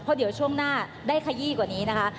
เพราะเดี๋ยวช่วงหน้าได้ขยี้กว่านี้นะคะ